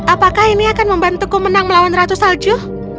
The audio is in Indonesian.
apakah ini akan membantuku menang melawan ratu salju